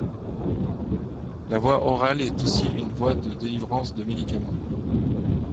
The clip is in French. La voie orale est aussi une voie de délivrance de médicaments.